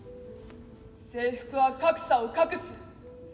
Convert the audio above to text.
制服は格差を隠す。